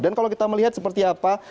dan kalau kita melihat seperti apa